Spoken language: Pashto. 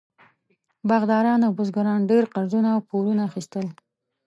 باغداران او بزګرانو ډېر قرضونه او پورونه اخیستل.